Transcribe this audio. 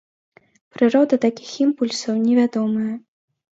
Прырода такіх імпульсаў невядомая.